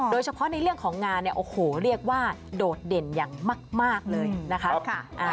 โดยเฉพาะในเรื่องของงานเนี่ยโอ้โหเรียกว่าโดดเด่นอย่างมากเลยนะคะ